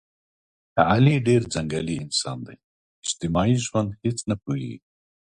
علي ډېر ځنګلي انسان دی، په اجتماعي ژوند هېڅ نه پوهېږي.